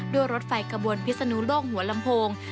รถไฟกระบวนพิศนุโลกหัวลำโพง